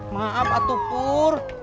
maaf atuh pur